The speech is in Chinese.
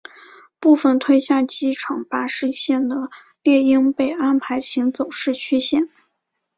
部份退下机场巴士线的猎鹰被安排行走市区线。